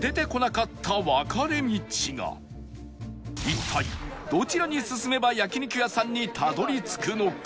一体どちらに進めば焼肉屋さんにたどり着くのか？